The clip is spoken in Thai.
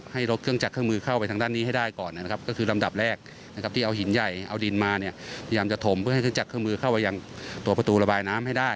ให้รถเครื่องจักรเครื่องมือเข้าไปทางด้านนี้ให้ได้ก่อน